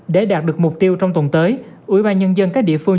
để đạt được mục tiêu trong tuần tới ủy ban nhân dân các địa phương